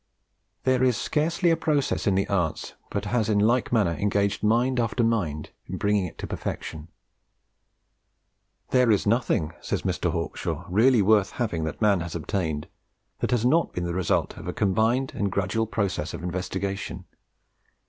There is scarcely a process in the arts but has in like manner engaged mind after mind in bringing it to perfection. "There is nothing," says Mr. Hawkshaw, "really worth having that man has obtained, that has not been the result of a combined and gradual process of investigation.